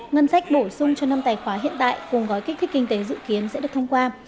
ngân sách bổ sung cho năm tài khoá hiện tại cùng gói kích thích kinh tế dự kiến sẽ được thông qua